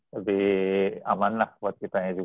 lebih aman lah buat kitanya juga